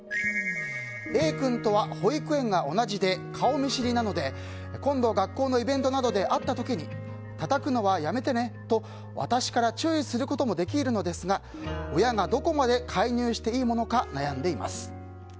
Ａ君とは保育園が同じで顔見知りなので今度、学校のイベントなどで会った時にたたくのはやめてねと私から注意することもできるのですが親がどこまで介入していいものか悩んでいます。